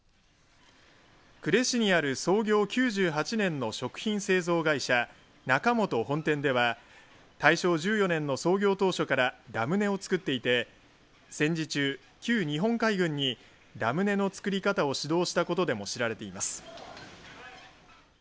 呉市にある創業９８年の食品製造会社中元本店では大正１４年の創業当初からラムネを作っていて戦時中、旧日本海軍にラムネの作り方を指導したことでも知られています。